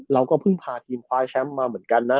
เราก็เพิ่งพาทีมคว้าแชมป์มาเหมือนกันนะ